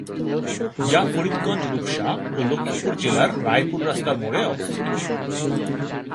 যা ফরিদগঞ্জ-রূপসা ও লক্ষ্মীপুর জেলার রায়পুর রাস্তার মোড়ে অবস্থিত।